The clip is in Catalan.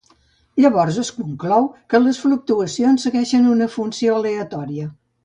Llavors es conclou que les fluctuacions segueixen una funció aleatòria.